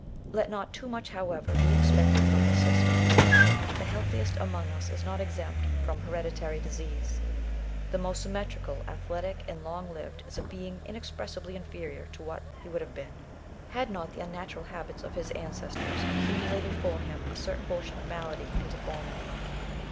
Let not too much, however, be expected from this system. The healthiest among us is not exempt from hereditary disease. The most symmetrical, athletic, and long lived, is a being inexpressibly inferior to what he would have been, had not the unnatural habits of his ancestors accumu lated for him a certain portion of malady and deformity.